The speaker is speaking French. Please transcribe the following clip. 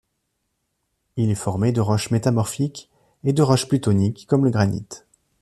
Il est formé de roches métamorphiques et de roches plutoniques comme le granite.